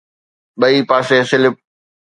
ٻئي پاسي سلپ